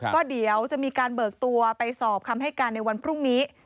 ก็เดี๋ยวจะมีการเบิกตัวไปสอบคำให้การในวันพรุ่งนี้